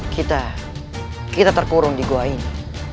kita kita terkurung di gua ini